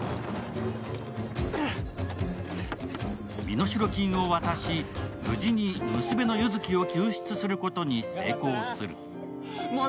身代金を渡し、無事に娘の優月を救出することに成功する。